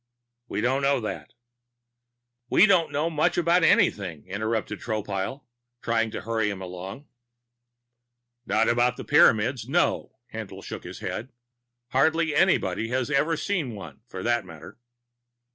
We don't know that." "We don't know much of anything," interrupted Tropile, trying to hurry him along. "Not about the Pyramids, no." Haendl shook his head. "Hardly anyone has ever seen one, for that matter."